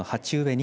２